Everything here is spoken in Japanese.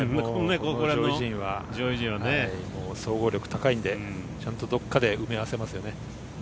上位陣は総合力高いんでちゃんとどこかで埋め合わせますよね。